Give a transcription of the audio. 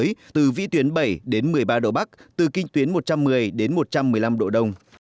cảnh báo vùng nguy hiểm trên biển đông trong một mươi hai đến một mươi ba độ bắc từ kinh tuyến một trăm một mươi đến một trăm một mươi năm độ đông